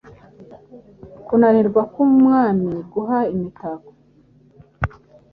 Kunanirwa kwumwamiguha imitako